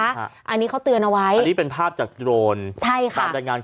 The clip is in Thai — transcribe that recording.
อันนี้เขาเตือนเอาไว้อันนี้เป็นภาพจากโรน